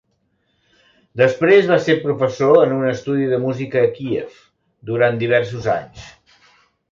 Després va ser professor en un estudi de música a Kíev durant diversos anys.